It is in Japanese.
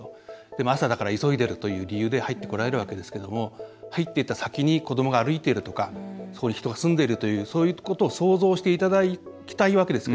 朝だから急いでるという理由で入ってきますけど入っていった先に子どもが歩いてるとかそこに人が住んでるとかそういうことを想像していただきたいんですよ。